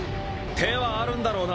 手はあるんだろうな？